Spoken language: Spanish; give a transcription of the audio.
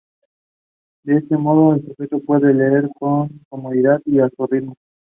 De este modo, el sujeto puede leer con comodidad y a su ritmo.